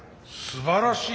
すばらしい！